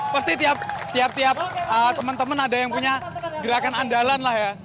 pasti tiap tiap teman teman ada yang punya gerakan andalan lah ya